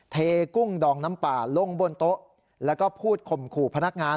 เทกุ้งดองน้ำป่าลงบนโต๊ะแล้วก็พูดข่มขู่พนักงาน